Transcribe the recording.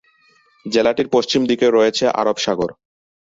জেলাটির পশ্চিম দিকে রয়েছে আরব সাগর।